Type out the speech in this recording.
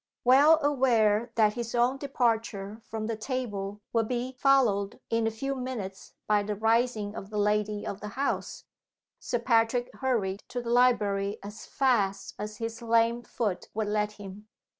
Well aware that his own departure from the table would be followed in a few minutes by the rising of the lady of the house, Sir Patrick hurried to the library as fast as his lame foot would let him.